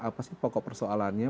apa sih pokok persoalannya